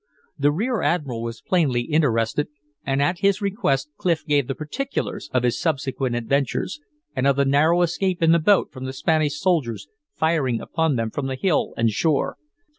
The rear admiral was plainly interested, and at his request Clif gave the particulars of his subsequent adventures and of the narrow escape in the boat from the Spanish soldiers firing upon them from the hill and shore.